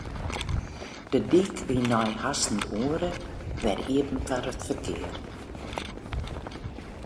De dyk wie nei hast in oere wer iepen foar it ferkear.